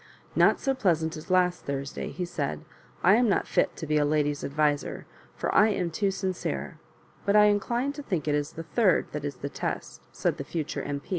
*' Not so pleasant as last Thursday," he said. "I am not fit to be a lady's adviser, for I am too sincere; but I incline to think it is the third that is the test," said the future M.